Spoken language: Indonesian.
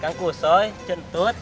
kang kusoy centut